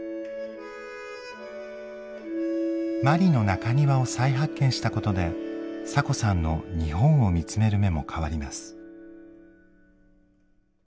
マリの中庭を再発見したことでサコさんの日本を見つめる目も変わります。